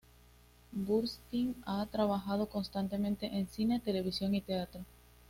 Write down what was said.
Burstyn ha trabajado constantemente en cine, televisión y teatro.